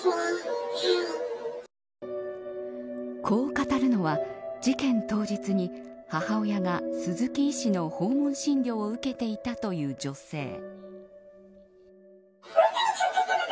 こう語るのは、事件当日に母親が鈴木医師の訪問診療を受けていたという女性。